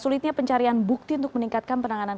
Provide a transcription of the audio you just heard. sulitnya pencarian bukti untuk meningkatkan penanganan